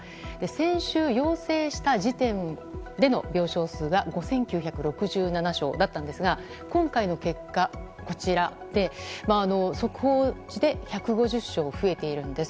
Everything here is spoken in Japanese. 先週要請した時点での病床数は５９６７床だったんですが今回の結果速報値で１５０床増えているんです。